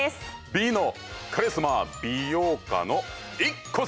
美のカリスマ美容家のＩＫＫＯ様！